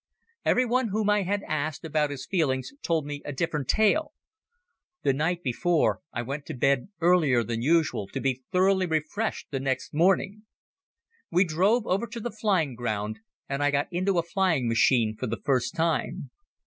Everyone whom I had asked about his feelings told me a different tale. The night before, I went to bed earlier than usual in order to be thoroughly refreshed the next morning. We drove over to the flying ground, and I got into a flying machine for the first time.